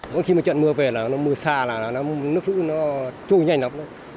mỗi khi trận mưa về mưa xa nước lũ trôi nhanh lắm